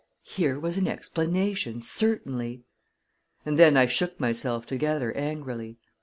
Here was an explanation, certainly! And then I shook myself together angrily.